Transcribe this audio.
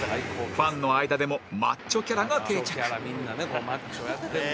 ファンの間でもマッチョキャラが定着